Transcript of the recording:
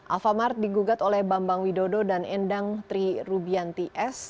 alfamart digugat oleh bambang widodo dan endang tri rubianti s